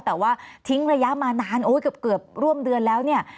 แต่ว่าทิ้งระยะมานานโอ้ยเกือบร่วมเดือนแล้วเนี่ย